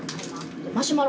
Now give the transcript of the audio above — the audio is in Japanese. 「マシュマロ。